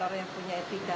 orang yang punya etika